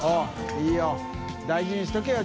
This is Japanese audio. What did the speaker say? いいよ大事にしとけよ